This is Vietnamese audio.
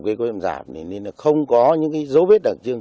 về hiện trường thì có nhiều dấu vết đặc trưng